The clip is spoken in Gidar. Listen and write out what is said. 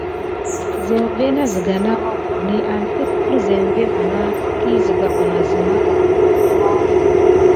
Zeŋvé iki na siga pak mokoni angəprire zeŋvé bana ki siga va asina basa bar.